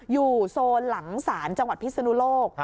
โซนหลังศาลจังหวัดพิศนุโลก